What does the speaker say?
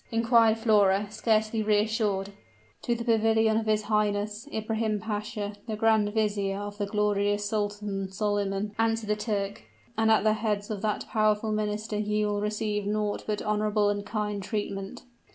inquired Flora, scarcely reassured. "To the pavilion of his Highness, Ibrahim Pasha, the grand vizier of the glorious Sultan Solyman," answered the Turk; "and at the hands of that powerful minister ye will receive naught but honorable and kind treatment."